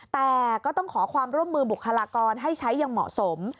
แต่ก็ต้องขอความร่วมมือบุคลากรให้ใช้อย่างเหมาะสม